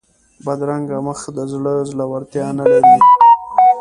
بدرنګه مخ د زړه زړورتیا نه لري